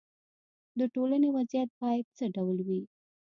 د ټولنې وضعیت باید څه ډول وي.